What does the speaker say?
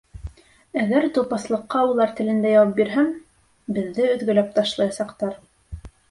Әгәр тупаҫлыҡҡа улар телендә яуап бирһәм, беҙҙе өҙгәләп ташлаясаҡтар.